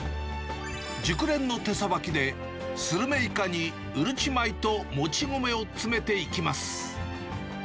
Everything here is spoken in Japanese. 熟練の手さばきで、スルメイカにうるち米ともち米を詰めていきます。